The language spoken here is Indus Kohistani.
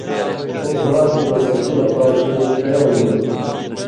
اُو قران تے سنتی نہ پاتی ڇیؤں مُون٘ڈ تُھو